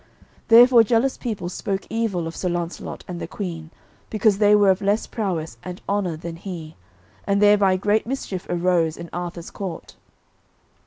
Therefore jealous people spoke evil of Sir Launcelot and the Queen, because they were of less prowess and honour than he, and thereby great mischief arose in Arthur's court.